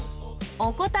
お答え